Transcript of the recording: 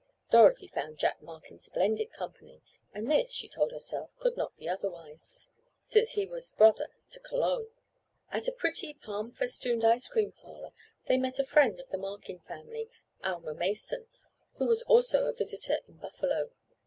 Dorothy found Jack Markin splendid company, and this, she told herself, could not be otherwise, since he was brother to Cologne. At a pretty palm festooned ice cream parlor they met a friend of the Markin family, Alma Mason, who was also a visitor in Buffalo.